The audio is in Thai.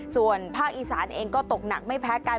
ส่วนภาคอีสานเองก็ตกหนักไม่แพ้กัน